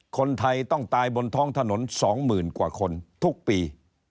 คนไทยต้องตายบนท้องถนน๒๐๐๐กว่าคนทุกปี